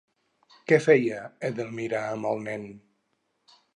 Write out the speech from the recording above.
Què feia Edelmira amb el nen?